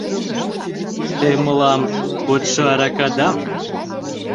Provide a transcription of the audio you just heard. — Те мылам — кодшо аракадам.